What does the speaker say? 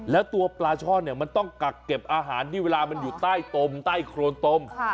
แล้วตัวปลาช่อนเนี่ยมันต้องกักเก็บอาหารที่เวลามันอยู่ใต้ตมใต้โครนตม